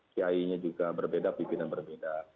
cii nya juga berbeda dipimpin yang berbeda